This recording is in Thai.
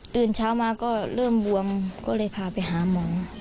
เช้ามาก็เริ่มบวมก็เลยพาไปหาหมอ